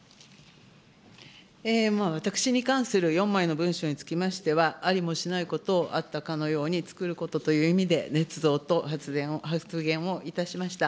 私に関する４枚の文書につきましては、ありもしないことをあったかのように作ることという意味で、ねつ造と発言をいたしました。